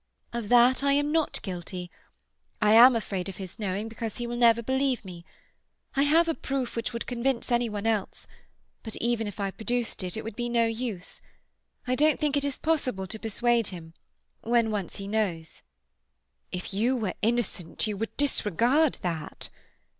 "Of that I am not guilty. I am afraid of his knowing, because he will never believe me. I have a proof which would convince anyone else; but, even if I produced it, it would be no use. I don't think it is possible to persuade him—when once he knows—" "If you were innocent you would disregard that."